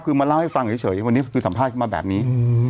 คือมาเล่าให้ฟังเฉยวันนี้คือสัมภาษณ์มาแบบนี้